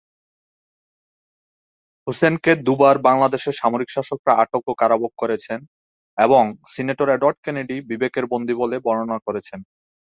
হোসেনকে দু'বার বাংলাদেশের সামরিক শাসকরা আটক ও কারাভোগ করেছেন এবং সিনেটর এডওয়ার্ড কেনেডি 'বিবেকের বন্দী' বলে বর্ণনা করেছেন।